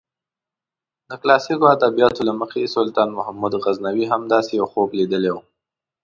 د کلاسیکو ادبیاتو له مخې سلطان محمود غزنوي هم داسې یو خوب لیدلی و.